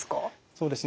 そうですね